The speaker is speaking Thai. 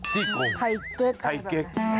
ชี้กงไพเก๊ก